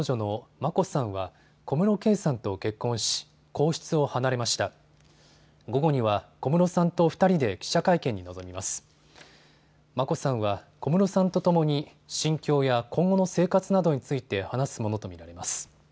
眞子さんは小室さんとともに心境や今後の生活などについて話すものと見られます。